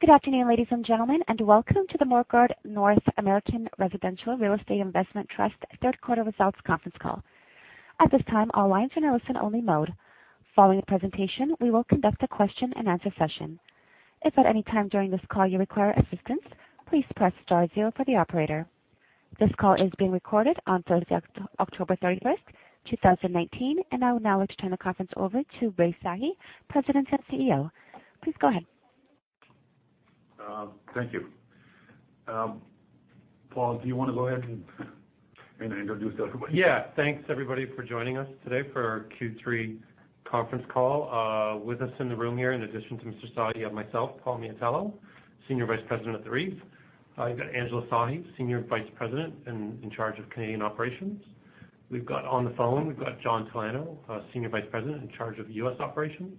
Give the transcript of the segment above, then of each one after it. Good afternoon, ladies and gentlemen, and welcome to the Morguard North American Residential Real Estate Investment Trust third quarter results conference call. At this time, all lines are in listen only mode. Following the presentation, we will conduct a question and answer session. If at any time during this call you require assistance, please press star zero for the operator. This call is being recorded on Thursday, October 31st, 2019. I would now like to turn the conference over to Rai Sahi, President and CEO. Please go ahead. Thank you. Paul, do you want to go ahead and introduce everybody? Yeah. Thanks, everybody, for joining us today for our Q3 conference call. With us in the room here, in addition to Mr. Sahi, you have myself, Paul Miatello, Senior Vice President of the REIT. You've got Angela Sahi, Senior Vice President in charge of Canadian operations. We've got on the phone, we've got John Talano, Senior Vice President in charge of U.S. operations.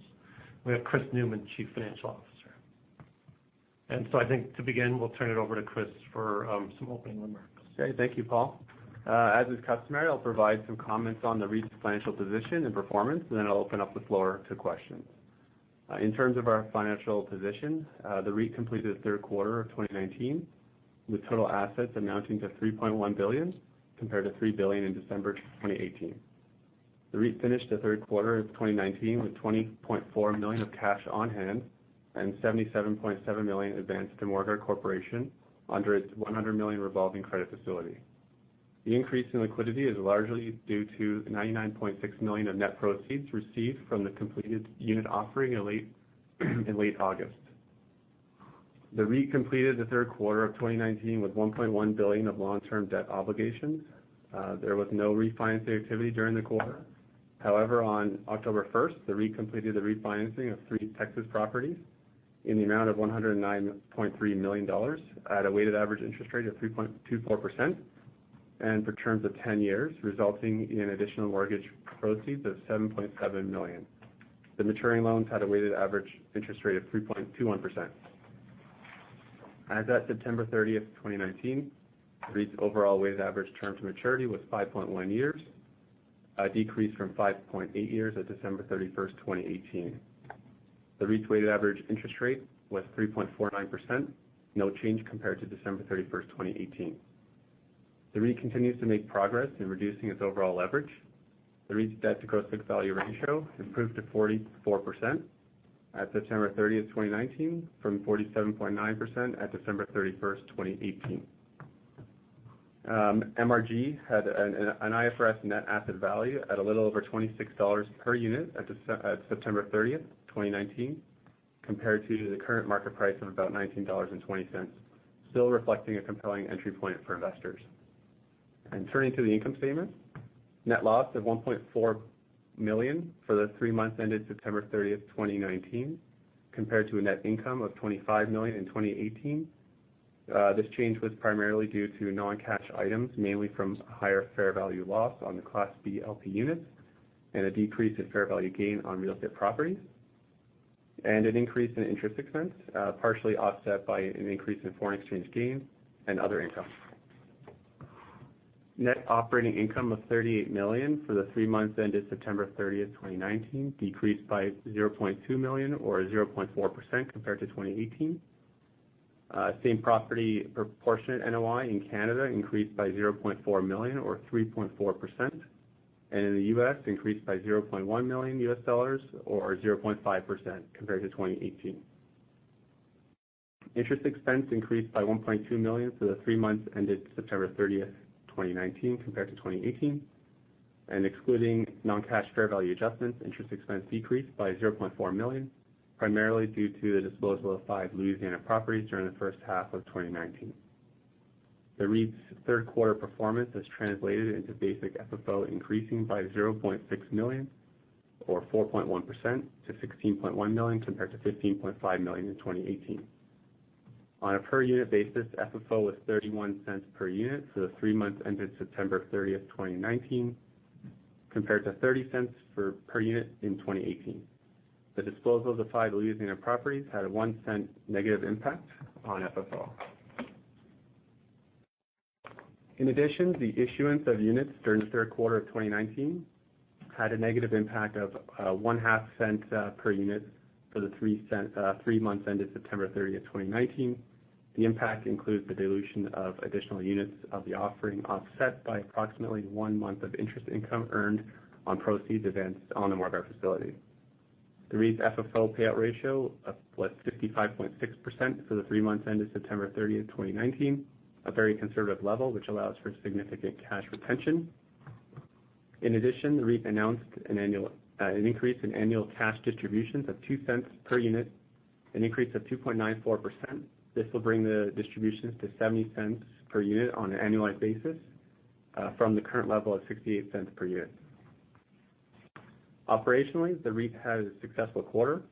We have Chris Newman, Chief Financial Officer. I think to begin, we'll turn it over to Chris for some opening remarks. Okay. Thank you, Paul. As is customary, I'll provide some comments on the REIT's financial position and performance, and then I'll open up the floor to questions. In terms of our financial position, the REIT completed the third quarter of 2019 with total assets amounting to 3.1 billion, compared to 3 billion in December 2018. The REIT finished the third quarter of 2019 with 20.4 million of cash on hand and 77.7 million advanced to Morguard Corporation under its 100 million revolving credit facility. The increase in liquidity is largely due to 99.6 million of net proceeds received from the completed unit offering in late August. The REIT completed the third quarter of 2019 with 1.1 billion of long-term debt obligations. There was no refinancing activity during the quarter. On October 1st, the REIT completed the refinancing of three Texas properties in the amount of 109.3 million dollars at a weighted average interest rate of 3.24%, and for terms of 10 years, resulting in additional mortgage proceeds of 7.7 million. The maturing loans had a weighted average interest rate of 3.21%. As at September 30th, 2019, the REIT's overall weighted average term to maturity was 5.1 years, a decrease from 5.8 years at December 31st, 2018. The REIT's weighted average interest rate was 3.49%, no change compared to December 31st, 2018. The REIT continues to make progress in reducing its overall leverage. The REIT's debt to gross book value ratio improved to 44% at September 30th, 2019 from 47.9% at December 31st, 2018. MRG had an IFRS net asset value at a little over 26 dollars per unit at September 30th, 2019, compared to the current market price of about 19.20 dollars, still reflecting a compelling entry point for investors. Turning to the income statement, net loss of 1.4 million for the three months ended September 30th, 2019, compared to a net income of 25 million in 2018. This change was primarily due to non-cash items, mainly from higher fair value loss on the Class B LP units and a decrease in fair value gain on real estate properties, and an increase in interest expense, partially offset by an increase in foreign exchange gains and other income. Net operating income of 38 million for the three months ended September 30th, 2019, decreased by 0.2 million or 0.4% compared to 2018. Same property proportionate NOI in Canada increased by 0.4 million or 3.4%, and in the U.S. increased by $0.1 million U.S. or 0.5% compared to 2018. Interest expense increased by 1.2 million for the three months ended September 30th, 2019, compared to 2018. Excluding non-cash fair value adjustments, interest expense decreased by 0.4 million, primarily due to the disposal of five Louisiana properties during the first half of 2019. The REIT's third quarter performance has translated into basic FFO increasing by 0.6 million or 4.1% to 16.1 million compared to 15.5 million in 2018. On a per unit basis, FFO was 0.31 per unit for the three months ended September 30th, 2019, compared to 0.30 per unit in 2018. The disposal of the five Louisiana properties had a 0.01 negative impact on FFO. In addition, the issuance of units during the third quarter of 2019 had a negative impact of 0.005 per unit for the three months ended September 30th, 2019. The impact includes the dilution of additional units of the offering offset by approximately one month of interest income earned on proceeds advanced on the Morguard facility. The REIT's FFO payout ratio was 55.6% for the three months ended September 30th, 2019, a very conservative level, which allows for significant cash retention. In addition, the REIT announced an increase in annual cash distributions of 0.02 per unit, an increase of 2.94%. This will bring the distributions to 0.70 per unit on an annualized basis from the current level of 0.68 per unit. Operationally, the REIT had a successful quarter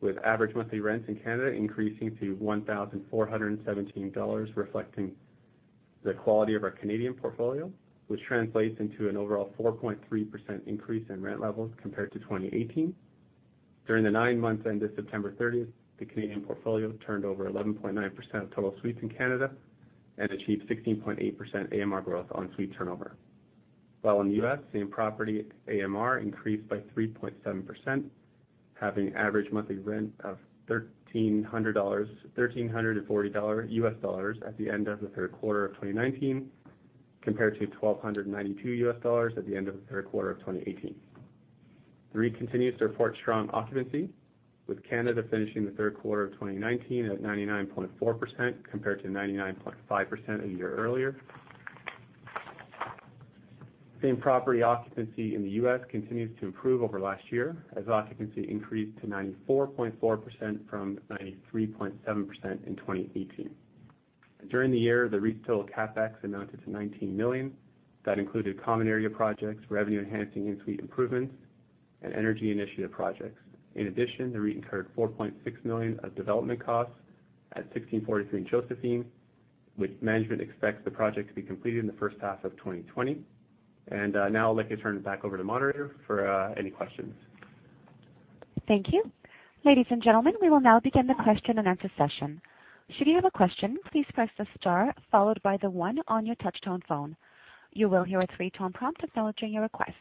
with average monthly rents in Canada increasing to 1,417 dollars, reflecting the quality of our Canadian portfolio, which translates into an overall 4.3% increase in rent levels compared to 2018. During the nine months ended September 30th, the Canadian portfolio turned over 11.9% of total suites in Canada and achieved 16.8% AMR growth on suite turnover. While in the U.S., same property AMR increased by 3.7%, having average monthly rent of $1,340 U.S. at the end of the third quarter of 2019, compared to $1,292 U.S. at the end of the third quarter of 2018. The REIT continues to report strong occupancy, with Canada finishing the third quarter of 2019 at 99.4%, compared to 99.5% a year earlier. Same property occupancy in the U.S. continues to improve over last year, as occupancy increased to 94.4% from 93.7% in 2018. During the year, the REIT's total CapEx amounted to 19 million. That included common area projects, revenue-enhancing in-suite improvements, and energy initiative projects. In addition, the REIT incurred 4.6 million of development costs at 1,643 Josephine, which management expects the project to be completed in the first half of 2020. Now I'd like to turn it back over to moderator for any questions. Thank you. Ladies and gentlemen, we will now begin the question and answer session. Should you have a question, please press the star followed by the one on your touch-tone phone. You will hear a three-tone prompt acknowledging your request.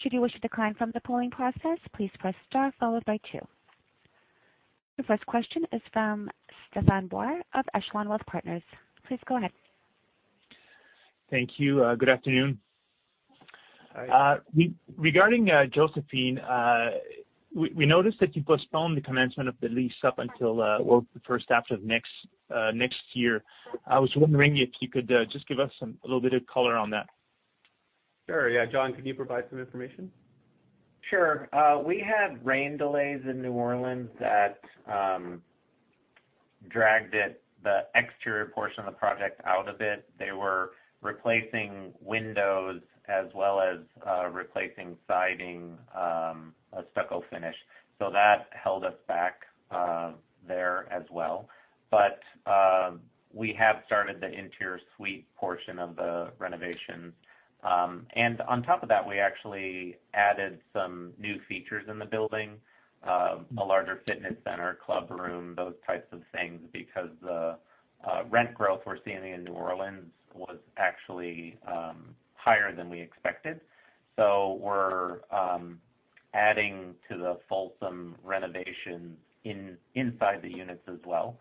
Should you wish to decline from the polling process, please press star followed by two. Your first question is from Stéphane Boileau of Echelon Wealth Partners. Please go ahead. Thank you. Good afternoon. Hi. Regarding Josephine, we noticed that you postponed the commencement of the lease up until, well, the first half of next year. I was wondering if you could just give us a little bit of color on that? Sure, yeah. John, could you provide some information? Sure. We had rain delays in New Orleans that dragged it, the exterior portion of the project, out a bit. They were replacing windows as well as replacing siding, a stucco finish. That held us back there as well. We have started the interior suite portion of the renovations. On top of that, we actually added some new features in the building, a larger fitness center, club room, those types of things, because the rent growth we're seeing in New Orleans was actually higher than we expected. We're adding to the fulsome renovation inside the units as well.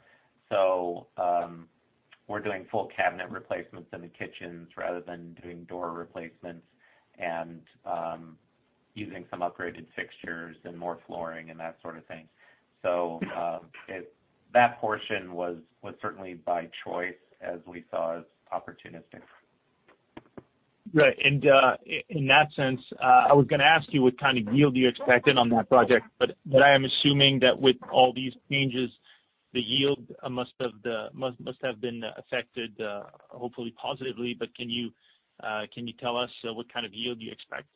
We're doing full cabinet replacements in the kitchens rather than doing door replacements and using some upgraded fixtures and more flooring and that sort of thing. That portion was certainly by choice as we saw as opportunistic. Right. In that sense, I was going to ask you what kind of yield you expected on that project, but I am assuming that with all these changes, the yield must have been affected, hopefully positively. Can you tell us what kind of yield you expect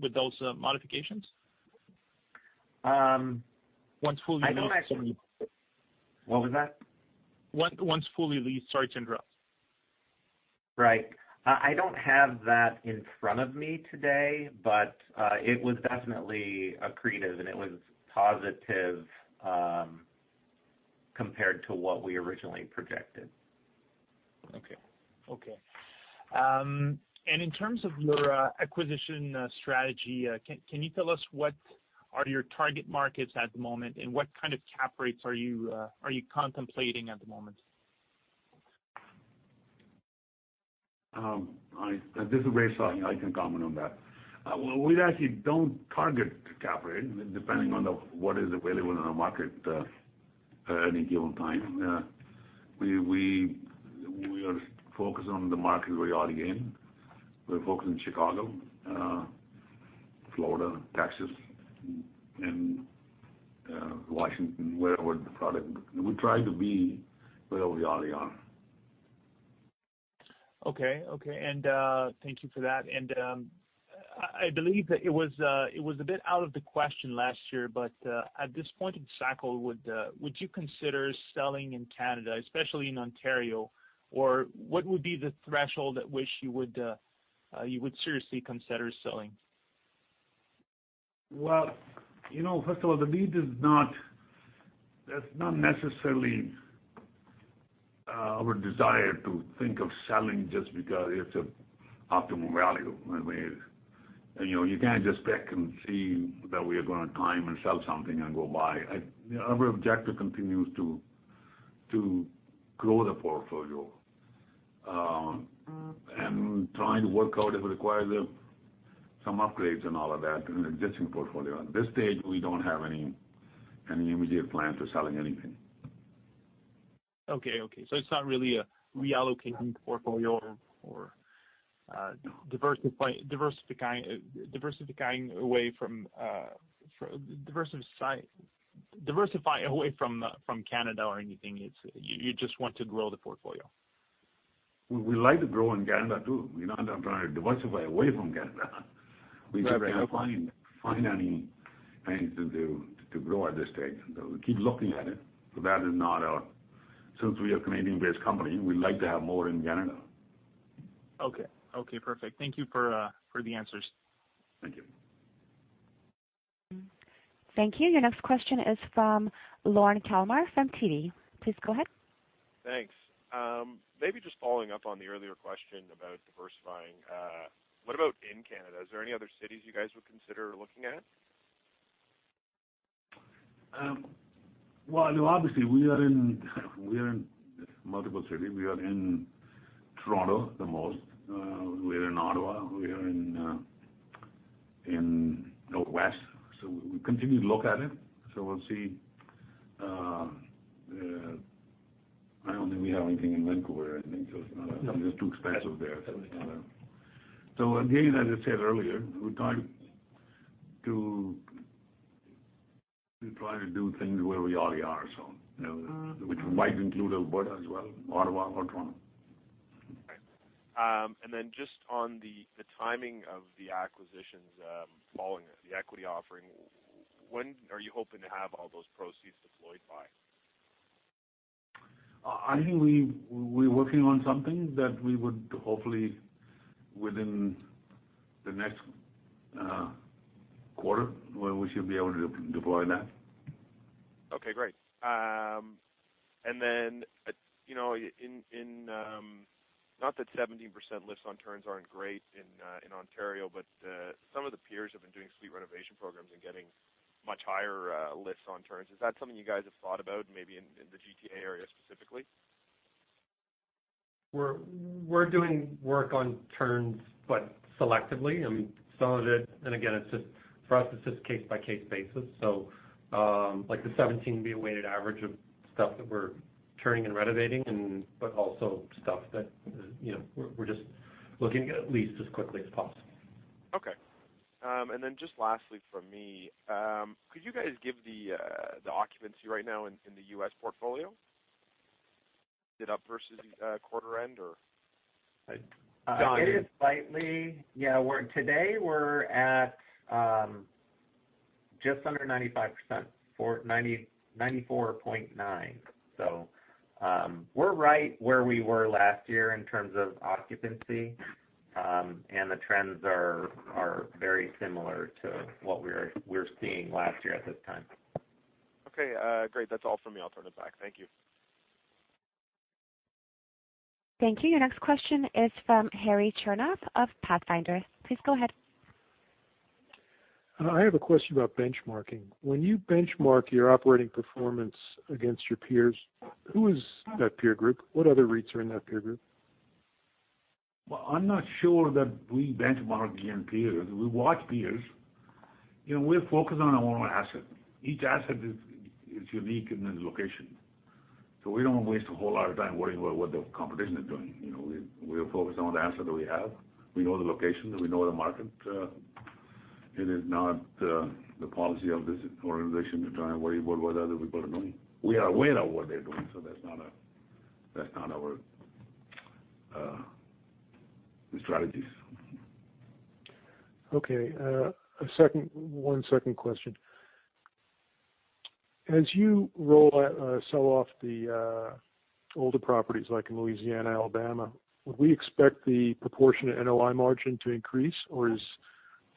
with those modifications? I don't actually- Once fully leased. What was that? Once fully leased, sorry to interrupt. Right. I don't have that in front of me today, but it was definitely accretive, and it was positive compared to what we originally projected. Okay. In terms of your acquisition strategy, can you tell us what are your target markets at the moment, and what kind of cap rates are you contemplating at the moment? This is Rai Sahi. I can comment on that. We actually don't target cap rate, depending on what is available in the market at any given time. We are focused on the markets we already in. We're focused in Chicago, Florida, Texas, and Washington. We try to be where we already are. Okay. Thank you for that. I believe that it was a bit out of the question last year, but at this point in cycle, would you consider selling in Canada, especially in Ontario? What would be the threshold at which you would seriously consider selling? First of all, the REIT is not necessarily our desire to think of selling just because it's an optimum value. You can't just pick and see that we are going to time and sell something and go buy. Our objective continues to grow the portfolio, and trying to work out if it requires some upgrades and all of that in an existing portfolio. At this stage, we don't have any immediate plans for selling anything. Okay. It's not really a reallocating the portfolio or diversifying away from Canada or anything. You just want to grow the portfolio. We like to grow in Canada, too. We're not trying to diversify away from Canada. Right. Okay. We just can't find any things to do to grow at this stage. We keep looking at it. Since we are a Canadian-based company, we like to have more in Canada. Okay. Perfect. Thank you for the answers. Thank you. Thank you. Your next question is from Lorne Kalmar from TD. Please go ahead. Thanks. Maybe just following up on the earlier question about diversifying. What about in Canada? Is there any other cities you guys would consider looking at? Well, obviously we are in multiple cities. We are in Toronto the most. We are in Ottawa. We are in Northwest. We continue to look at it. We'll see. I don't think we have anything in Vancouver, I think it's too expensive there. Again, as I said earlier, we try to do things where we already are. Which might include Alberta as well, Ottawa, or Toronto. Okay. Then just on the timing of the acquisitions following the equity offering, when are you hoping to have all those proceeds deployed by? I think we're working on something that we would hopefully within the next quarter, where we should be able to deploy that. Okay, great. Not that 17% lifts on turns aren't great in Ontario, but some of the peers have been doing suite renovation programs and getting much higher lifts on turns. Is that something you guys have thought about, maybe in the GTA area specifically? We're doing work on turns selectively. Some of it, again, for us, it's just case-by-case basis. Like the 17 would be a weighted average of stuff that we're turning and renovating but also stuff that we're just looking at least as quickly as possible. Okay. Just lastly from me, could you guys give the occupancy right now in the U.S. portfolio? Is it up versus quarter end? Don? It is slightly, yeah. Today, we're at just under 95%, 94.9. We're right where we were last year in terms of occupancy. The trends are very similar to what we're seeing last year at this time. Okay, great. That's all for me. I'll turn it back. Thank you. Thank you. Your next question is from Harry Chernoff of Pathfinder Capital. Please go ahead. I have a question about benchmarking. When you benchmark your operating performance against your peers, who is that peer group? What other REITs are in that peer group? Well, I'm not sure that we benchmark in peers. We watch peers. We're focused on our own asset. Each asset is unique in its location. We don't waste a whole lot of time worrying about what the competition is doing. We are focused on the asset that we have. We know the location. We know the market. It is not the policy of this organization to try and worry about what other people are doing. We are aware of what they're doing, so that's not our strategies. Okay. One second question. As you sell off the older properties like in Louisiana, Alabama, would we expect the proportionate NOI margin to increase or is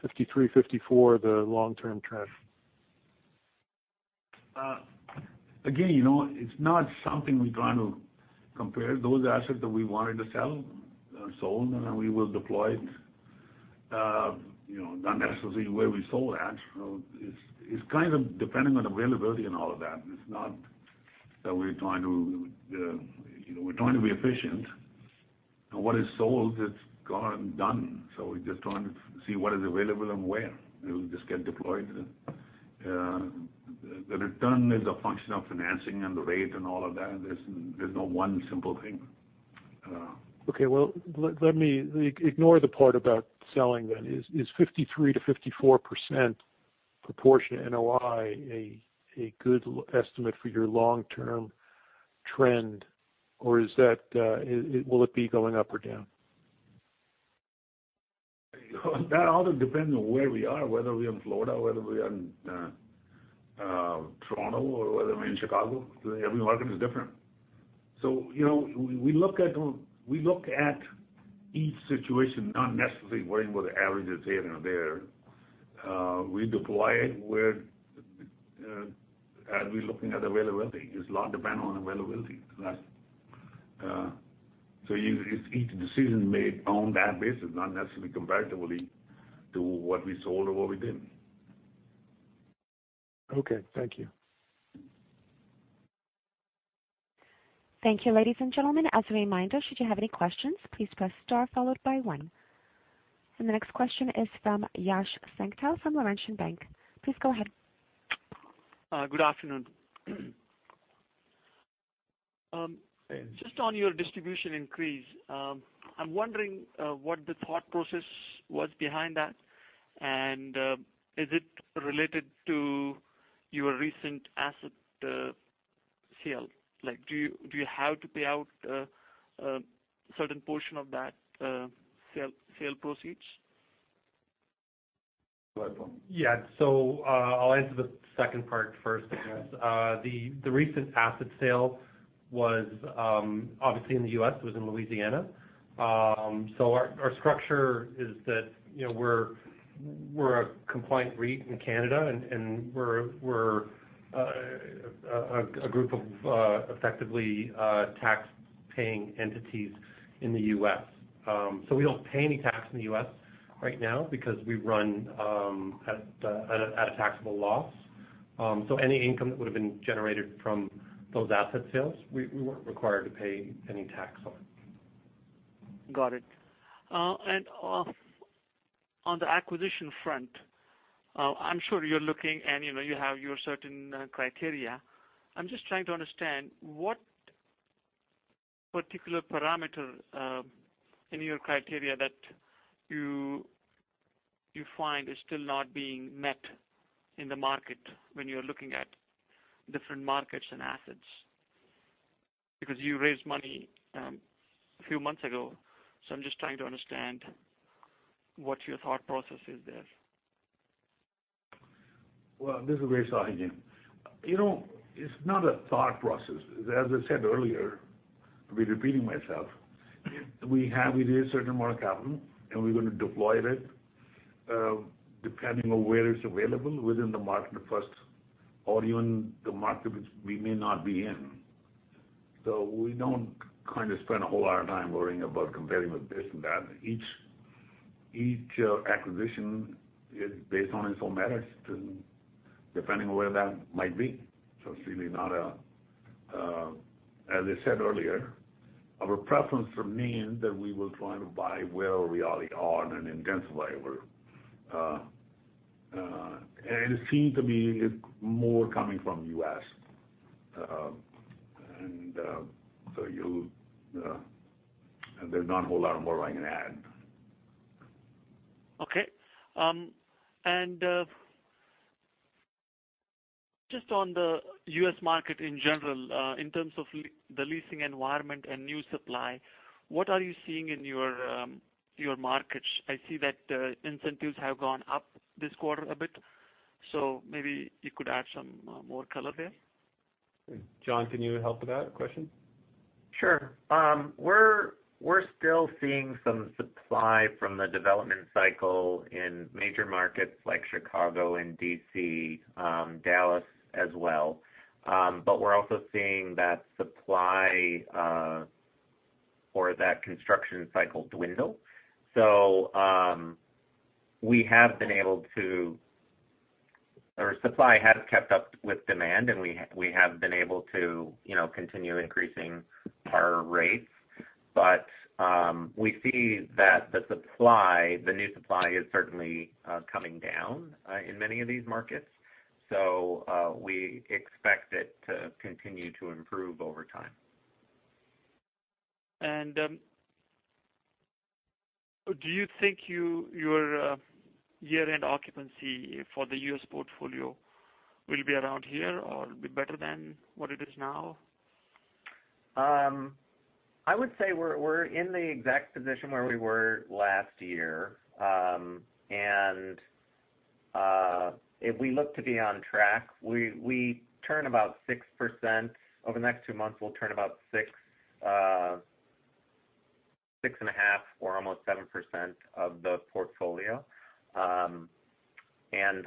53%, 54% the long-term trend? It's not something we're trying to compare. Those assets that we wanted to sell are sold, we will deploy it, not necessarily where we sold at. It's kind of depending on availability and all of that. We're trying to be efficient, what is sold, it's gone, done. We're just trying to see what is available and where. It will just get deployed. The return is a function of financing and the rate and all of that. There's no one simple thing. Okay, well, let me ignore the part about selling then. Is 53%-54% proportionate NOI a good estimate for your long-term trend, or will it be going up or down? That all depends on where we are, whether we're in Florida, whether we're in Toronto, or whether we're in Chicago. Every market is different. We look at each situation, not necessarily worrying what the average is here and there. We deploy it where, as we're looking at availability. It's lot depend on availability. It's each decision made on that basis, not necessarily comparatively to what we sold or what we didn't. Okay. Thank you. Thank you, ladies and gentlemen. As a reminder, should you have any questions, please press star followed by one. The next question is from Yash Sankhla from Laurentian Bank. Please go ahead. Good afternoon. Hey, Yash. Just on your distribution increase, I'm wondering what the thought process was behind that, and is it related to your recent asset sale? Do you have to pay out a certain portion of that sale proceeds? Go ahead, Paul. Yeah. I'll answer the second part first, I guess. The recent asset sale was obviously in the U.S., was in Louisiana. Our structure is that we're a compliant REIT in Canada, and we're a group of effectively tax-paying entities in the U.S. We don't pay any tax in the U.S. right now because we run at a taxable loss. Any income that would've been generated from those asset sales, we weren't required to pay any tax on it. Got it. On the acquisition front, I'm sure you're looking and you have your certain criteria. I'm just trying to understand, what particular parameter in your criteria that you find is still not being met in the market when you're looking at different markets and assets? You raised money a few months ago, so I'm just trying to understand what your thought process is there. Well, this is Resa again. It's not a thought process. As I said earlier, I'll be repeating myself, we have raised a certain amount of capital, and we're going to deploy it depending on where it's available within the market first, or even the market which we may not be in. We don't spend a whole lot of time worrying about comparing with this and that. Each acquisition is based on its own merits, depending on where that might be. As I said earlier, our preference means that we will try to buy where we already are and intensify where it seems to be more coming from U.S. There's not a whole lot more I can add. Okay. Just on the U.S. market in general, in terms of the leasing environment and new supply, what are you seeing in your markets? I see that incentives have gone up this quarter a bit, so maybe you could add some more color there. John, can you help with that question? Sure. We're still seeing some supply from the development cycle in major markets like Chicago and D.C., Dallas as well. We're also seeing that supply for that construction cycle dwindle. Supply has kept up with demand, and we have been able to continue increasing our rates. We see that the supply, the new supply, is certainly coming down in many of these markets. We expect it to continue to improve over time. Do you think your year-end occupancy for the U.S. portfolio will be around here or be better than what it is now? I would say we're in the exact position where we were last year. We look to be on track. We turn about 6%. Over the next two months, we'll turn about six and a half, or almost 7% of the portfolio.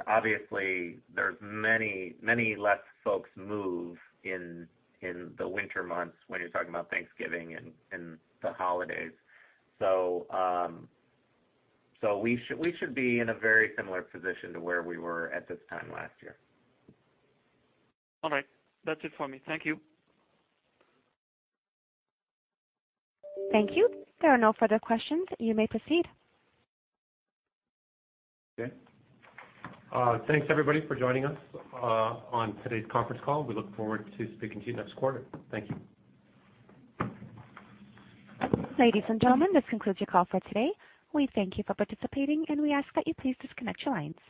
Obviously, there's many less folks move in the winter months when you're talking about Thanksgiving and the holidays. We should be in a very similar position to where we were at this time last year. All right. That's it for me. Thank you. Thank you. There are no further questions. You may proceed. Thanks everybody for joining us on today's conference call. We look forward to speaking to you next quarter. Thank you. Ladies and gentlemen, this concludes your call for today. We thank you for participating, and we ask that you please disconnect your lines.